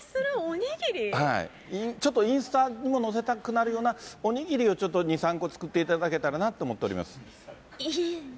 ちょっとインスタにも載せたくなるようなお握りをちょっと２、３個作っていただけたらなと思っております。